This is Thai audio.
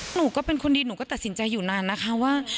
หนูก็เป็นคนดีหนูก็ตัดสินใจอยู่นานนะคะว่า